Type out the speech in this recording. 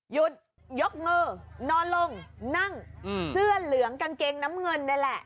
หยุดยกมือนอนลงนั่งเสื้อเหลืองกางเกงน้ำเงินนี่แหละ